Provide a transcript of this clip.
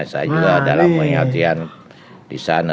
saya juga dalam pengertian disana